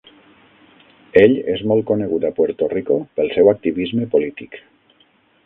Ell és molt conegut a Puerto Rico pel seu activisme polític.